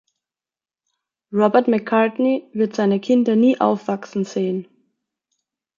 Robert McCartney wird seine Kinder nie aufwachsen sehen.